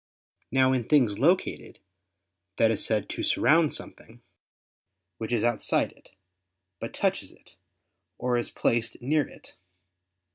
Now in things located, that is said to surround something, which is outside it, but touches it, or is placed near it.